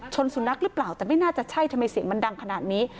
สุนัขหรือเปล่าแต่ไม่น่าจะใช่ทำไมเสียงมันดังขนาดนี้